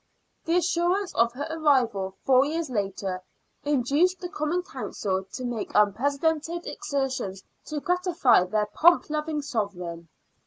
The assurance of her arrival four years later induced the Common Council to make unprecedented exertions to gratify their pomp loving Sovereign.